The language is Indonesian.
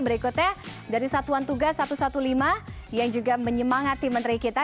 berikutnya dari satuan tugas satu ratus lima belas yang juga menyemangati menteri kita